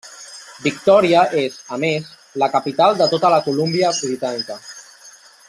Victòria és, a més, la capital de tota la Colúmbia Britànica.